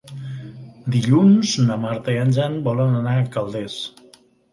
Dilluns na Marta i en Jan volen anar a Calders.